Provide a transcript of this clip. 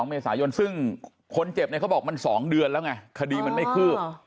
เมษายนซึ่งคนเจ็บเนี่ยเขาบอกมัน๒เดือนแล้วไงคดีมันไม่คืบ